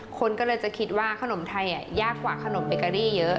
คนก็เลยจะคิดว่าขนมไทยยากกว่าขนมเบเกอรี่เยอะ